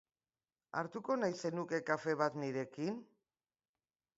Hartuko nahi zenuke kafe bat nirekin?